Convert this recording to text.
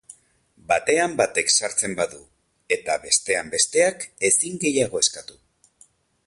Batean batek sartzen badu eta bestean besteak ezin gehiago eskatu.